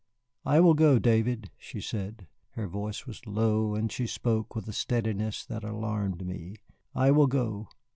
"I will go, David," she said. Her voice was low and she spoke with a steadiness that alarmed me. "I will go."